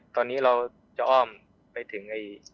ตอนนี้เราจะอ้อมไปถึง